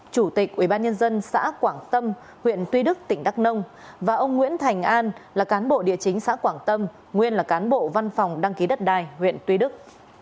chủ tịch ubnd xã quảng tâm huyện tuy đức tỉnh đắk nông và ông nguyễn thành an là cán bộ địa chính xã quảng tâm nguyên là cán bộ văn phòng đăng ký đất đai huyện tuy đức